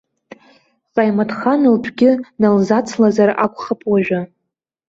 Ҟаимаҭхан лтәгьы налзацлазар акәхап уажәы.